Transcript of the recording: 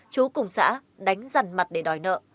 chú cùng xã đánh rằn mặt để đòi nợ